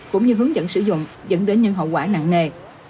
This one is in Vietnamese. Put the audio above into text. cũng như hướng dẫn sử dụng dẫn đến những hậu quả nặng nề